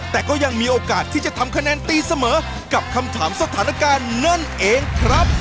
แต่ก็ยังมีโอกาสที่จะทำคะแนนตีเสมอกับคำถามสถานการณ์นั่นเองครับ